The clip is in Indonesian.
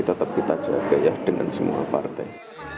tetap kita jaga ya dengan semua partai